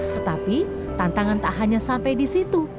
tetapi tantangan tak hanya sampai di situ